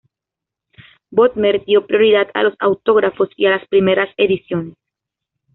Bodmer dio prioridad a los autógrafos y a las primeras ediciones.